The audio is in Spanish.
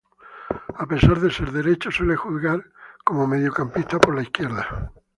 A pesar de ser derecho suele jugar como mediocampista por izquierda.